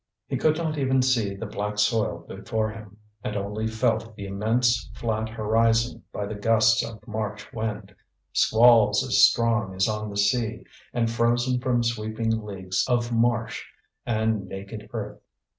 He could not even see the black soil before him, and only felt the immense flat horizon by the gusts of March wind, squalls as strong as on the sea, and frozen from sweeping leagues of marsh and naked earth.